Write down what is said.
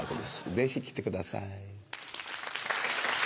ぜひ来てください。